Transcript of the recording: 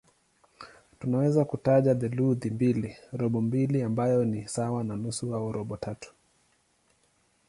Tunaweza kutaja theluthi mbili, robo mbili ambayo ni sawa na nusu au robo tatu.